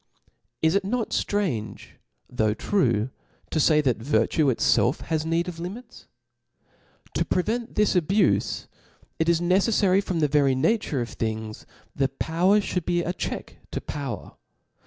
Is it not ftrange, though true, to fay, that virtue itfelf has need of limits ? To prevent this abufe, it is necefTary from the very nature of thingj, power (hould be a check to power.